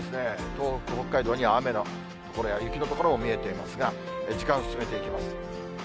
東北、北海道には雨の所や雪の所も見えていますが、時間進めていきます。